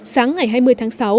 sáng ngày hai mươi tháng sáu